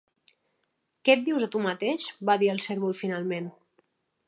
"Què et dius a tu mateix?", va dir el cérvol finalment.